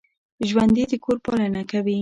ژوندي د کور پالنه کوي